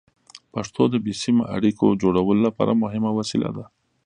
پښتو د بې سیمه اړیکو جوړولو لپاره مهمه وسیله ده.